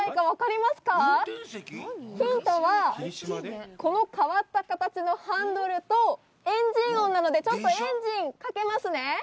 ヒントは、この変わった形のハンドルとエンジン音なので、ちょっとエンジンをかけますね？